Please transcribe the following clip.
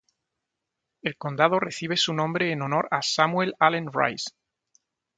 El condado recibe su nombre en honor a Samuel Allen Rice.